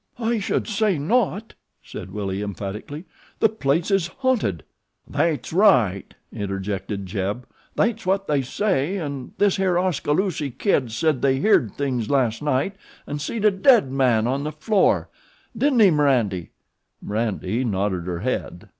"I should say not," said Willie emphatically; "the place is haunted." "Thet's right," interjected Jeb. "Thet's what they do say, an' this here Oskaloosie Kid said they heered things las' night an' seed a dead man on the floor, didn't he M'randy?" M'randy nodded her head.